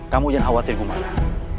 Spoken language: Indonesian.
kamu jangan khawatir gumara